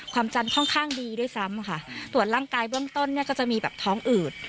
ความจันทร์ค่อนข้างดีด้วยซ้ำค่ะตรวจร่างกายเบื้องต้นเนี่ยก็จะมีแบบท้องอืด